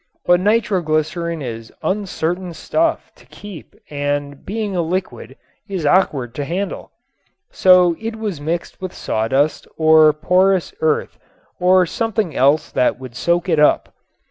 But nitroglycerin is uncertain stuff to keep and being a liquid is awkward to handle. So it was mixed with sawdust or porous earth or something else that would soak it up.